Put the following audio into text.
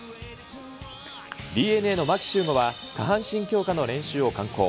ＤｅＮＡの牧秀悟は、下半身強化の練習をかんこう。